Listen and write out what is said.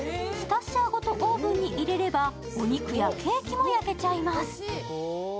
スタッシャーごとオーブンに入れればお肉やケーキも焼けちゃいます。